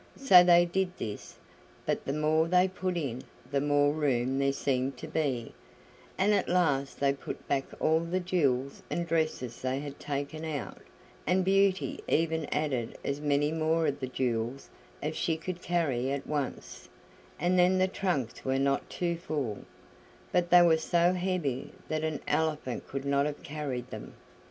So they did this; but the more they put in the more room there seemed to be, and at last they put back all the jewels and dresses they had taken out, and Beauty even added as many more of the jewels as she could carry at once; and then the trunks were not too full, but they were so heavy that an elephant could not have carried them!